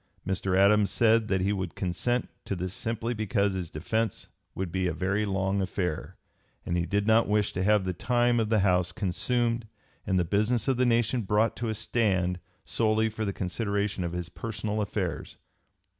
Mr. Adams said that he would consent to this simply because his defence would be a very long affair, and he did not wish to have the time of the House consumed and the business of the nation brought to a stand solely for the consideration of his personal affairs.